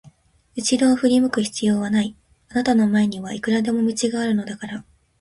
うしろを振り向く必要はない、あなたの前にはいくらでも道があるのだから。